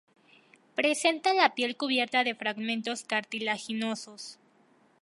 Presenta la piel cubierta de fragmentos cartilaginosos.